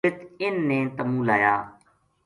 اِت انھ نے تمُو لایا